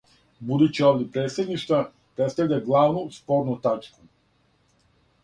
Будући облик председништва представља главну спорну тачку.